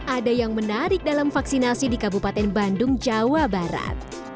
ada yang menarik dalam vaksinasi di kabupaten bandung jawa barat